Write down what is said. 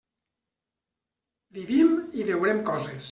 Vivim, i veurem coses.